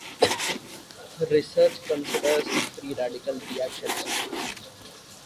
Her research considers free radical reactions.